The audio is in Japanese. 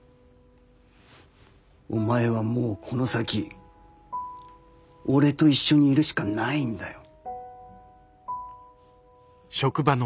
お前はもうこの先俺と一緒にいるしかないんだよ。